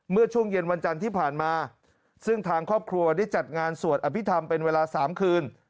เมื่อช่วงเย็นวันจันทร์ที่ผ่านมาซึ่งทางครอบครัวได้จัดงานสวดอภิษฐรรมเป็นเวลา๓คืน